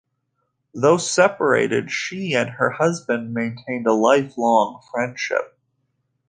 Though separated, she and her husband maintained a life-long friendship.